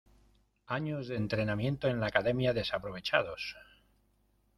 ¡ Años de entrenamiento en la academia desaprovechados!